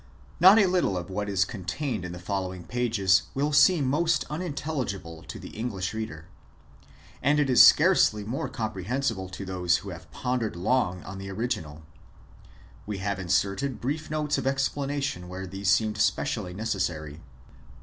Not a little of what is contained in the following pages will seem almost unintelligible to the English reader. And it is scarcely more comprehensible to those who have pondered lono; on the orimnal: We have inserted brief notes of ex planation where these seemed specially necessary.